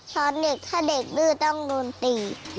ตอนเด็กถ้าเด็กดื้อต้องโดนตี